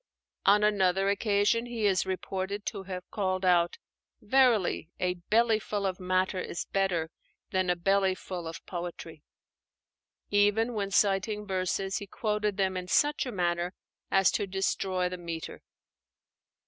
On another occasion he is reported to have called out, "Verily, a belly full of matter is better than a belly full of poetry." Even when citing verses, he quoted them in such a manner as to destroy the metre.